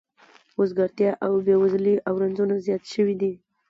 وزګارتیا او بې وزلي او رنځونه زیات شوي دي